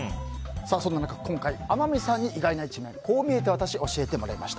そんな中、今回天海さんに意外な一面こう見えてワタシを教えてもらいました。